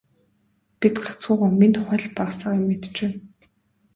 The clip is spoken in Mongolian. Бид гагцхүү Гомбын тухай л бага сага юм мэдэж байна.